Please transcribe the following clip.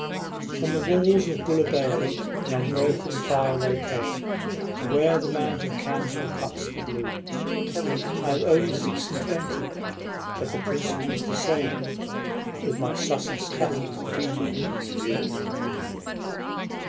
From the walls of Bulawayo in unbroken file they came To where the Mount of Council cuts the blue ... I have only six and twenty, but the principle's the same With my Sussex Cattle feeding in the dew!